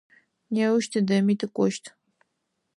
Неущ тыдэми тыкӏощт.